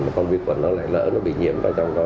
mà con vi quần nó lại lỡ bị nhiễm vào trong đó